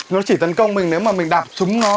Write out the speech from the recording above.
nó chỉ tấn công mình nếu mà mình đạp chúng nó